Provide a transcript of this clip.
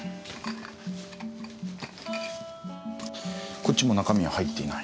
こっちも中身は入っていない。